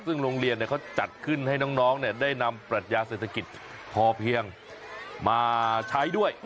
ซึ่งโรงเรียนเขาจัดขึ้นให้น้องได้นำปรัชญาเศรษฐกิจพอเพียงมาใช้ด้วย